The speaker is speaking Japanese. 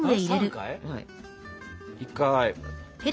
１回。